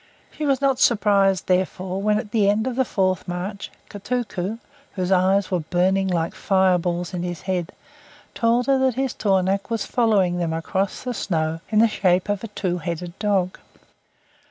She was not surprised, therefore, when at the end of the fourth march Kotuko, whose eyes were burning like fire balls in his head, told her that his tornaq was following them across the snow in the shape of a two headed dog.